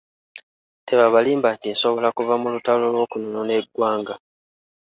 Tebabalimba nti nsobola kuva mu lutalo lw’okununula eggwanga.